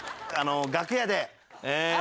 楽屋で。